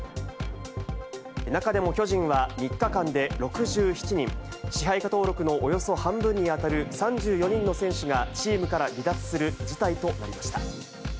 中でも巨人は、３日間で６７人、支配下登録のおよそ半分に当たる３４人の選手がチームから離脱する事態となりました。